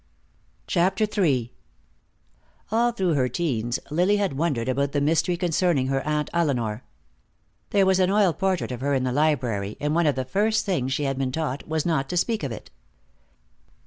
CHAPTER III All through her teens Lily had wondered about the mystery concerning her Aunt Elinor. There was an oil portrait of her in the library, and one of the first things she had been taught was not to speak of it.